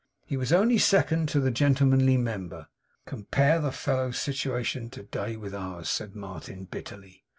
He was only second to the Gentlemanly member. 'Compare the fellow's situation to day with ours!' said Martin bitterly.